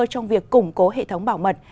trong việc củng cố hệ thống bảo mật